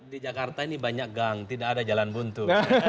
di jakarta ini banyak gang tidak ada jalan buntu